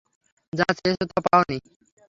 যা চেয়েছ তা পাওনি।